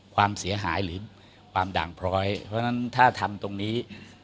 ความเสียหายหรือความด่างพร้อยเพราะฉะนั้นถ้าทำตรงนี้